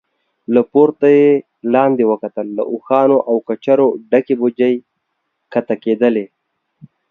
له پورته يې لاندې وکتل، له اوښانو او کچرو ډکې بوجۍ کښته کېدلې.